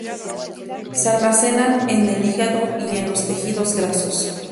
Se almacenan en el hígado y en los tejidos grasos.